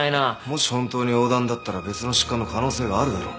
もし本当に黄疸だったら別の疾患の可能性があるだろ。